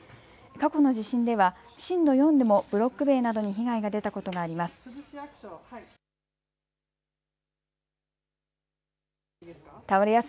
過去の地震では震度４でもブロック塀などに被害が出たことがあります。